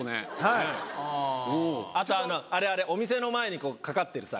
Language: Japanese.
あとあれお店の前に掛かってる。